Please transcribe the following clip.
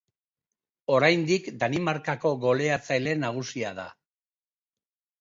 Oraindik Danimarkako goleatzaile nagusia da.